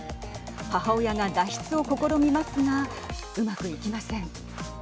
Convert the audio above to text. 母親が脱出を試みますがうまくいきません。